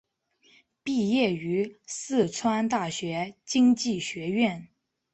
毕业于四川大学经济学院。